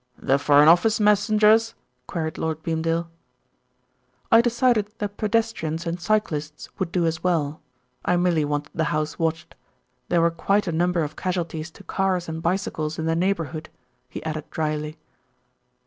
"The Foreign Office messengers?" queried Lord Beamdale. "I decided that pedestrians and cyclists would do as well. I merely wanted the house watched. There were quite a number of casualties to cars and bicycles in the neighbourhood," he added dryly.